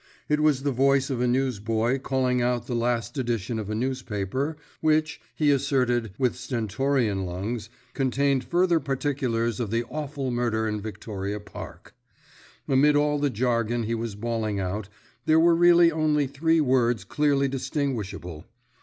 It was the voice of a newsboy calling out the last edition of a newspaper which, he asserted with stentorian lungs, contained further particulars of the awful murder in Victoria Park. Amid all the jargon he was bawling out, there were really only three words clearly distinguishable.